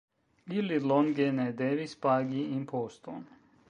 Ili longe ne devis pagi imposton.